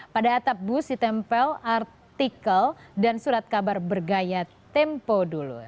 pada atap bus ditempel artikel dan surat kabar bergaya tempo dulu